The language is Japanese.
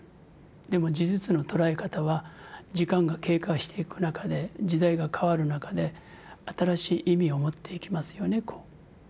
でも事実の捉え方は時間が経過していく中で時代が変わる中で新しい意味を持っていきますよね。